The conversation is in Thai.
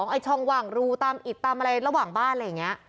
ไอ้ช่องว่างรูตามอิดตามอะไรระหว่างบ้านอะไรอย่างนี้